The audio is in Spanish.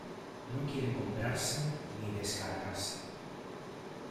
No requiere comprarse ni descargarse.